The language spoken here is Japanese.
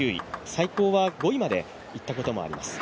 最高は５位までいったこともあります。